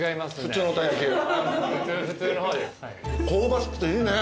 香ばしくていいね。